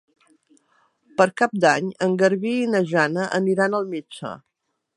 Per Cap d'Any en Garbí i na Jana aniran al metge.